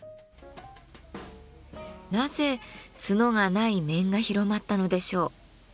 なぜ角がない面が広まったのでしょう。